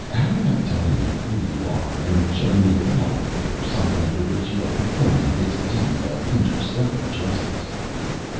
How about telling me who you are and showing me a warrant or something under which you are performing this deed of interstellar justice."